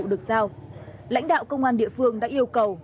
các vụ được giao lãnh đạo công an địa phương đã yêu cầu